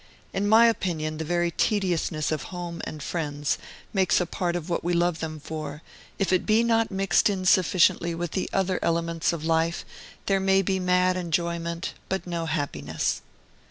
In my opinion, the very tediousness of home and friends makes a part of what we love them for; if it be not mixed in sufficiently with the other elements of life, there may be mad enjoyment, but no happiness.